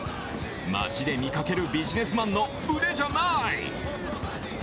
街で見かけるビジネスマンの腕じゃない。